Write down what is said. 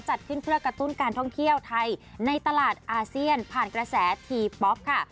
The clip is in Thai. จัดขึ้นเพื่อกระตุ้นการท่องเที่ยวไทยในตลาดอาเซียนผ่านกระแสทีป๊อปค่ะ